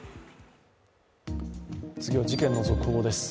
次は事件の続報です。